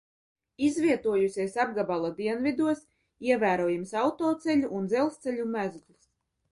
Izvietojusies apgabala dienvidos, ievērojams autoceļu un dzelzceļu mezgls.